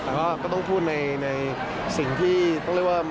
แต่ก็ต้องพูดในสิ่งที่ต้องเรียกว่า